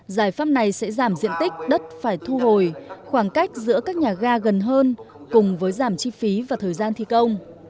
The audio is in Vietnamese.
giải pháp này sẽ giảm diện tích đất phải thu hồi khoảng cách giữa các nhà ga gần hơn cùng với giảm chi phí và thời gian thi công